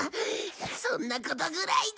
そんなことぐらいで！